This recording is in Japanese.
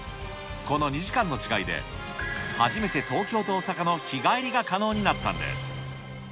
この２時間の違いで、初めて東京と大阪の日帰りが可能になったんです。